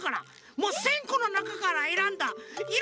もう１，０００このなかからえらんだいろ